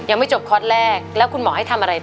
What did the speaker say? ยังไม่จบคอร์สแรกแล้วคุณหมอให้ทำอะไรต่อ